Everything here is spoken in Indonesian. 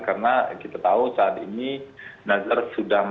karena kita tahu saat ini nazarudin sedang menjalani masa utama